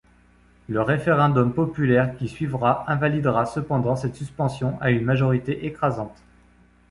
Le référendum populaire qui suivra invalidera cependant cette suspension à une majorité écrasante.